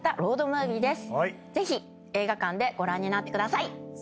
ぜひ映画館でご覧になってください。